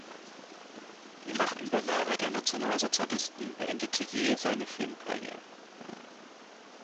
Die Machtübernahme der Nationalsozialisten beendete jäh seine Filmkarriere.